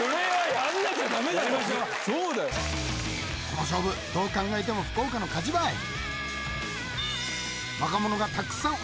この勝負どう考えても福岡の勝ちばい！